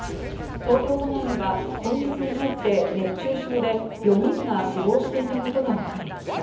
東京都内では今月に入って熱中症で４人が死亡していたことが分かりました。